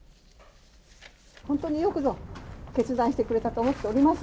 本当によくぞ決断してくれたと思っております。